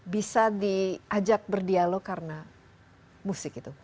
bisa diajak berdialog karena musik itu